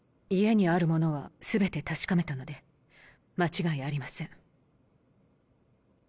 家にあるものは全て確かめたので間違いありません。